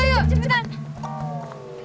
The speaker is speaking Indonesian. aduh yuk yuk yuk